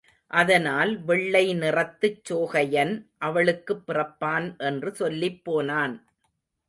அதனால் வெள்ளை நிறத்துச் சோகையன் அவளுக்குப் பிறப்பான் என்று சொல்லிப்போனான்.